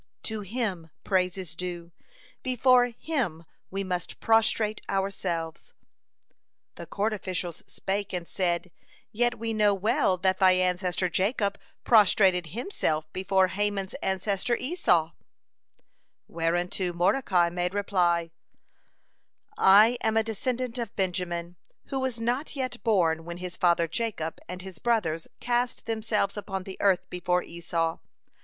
To Him praise is due, before Him we must prostrate ourselves." The court officials spake and said: "Yet we know well that thy ancestor Jacob prostrated himself before Haman's ancestor Esau!" Whereunto Mordecai made reply: "I am a descendant of Benjamin, who was not yet born when his father Jacob and his brothers cast themselves upon the earth before Esau.